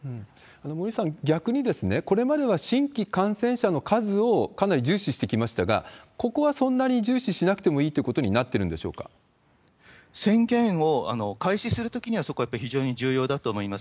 森内さん、逆にこれまでは新規感染者の数をかなり重視してきましたが、ここはそんなに重視しなくてもいいということになって宣言を開始するときには、そこはやっぱり非常に重要だと思います。